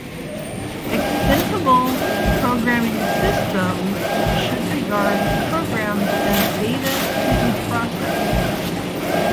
Extensible programming systems should regard programs as data to be processed.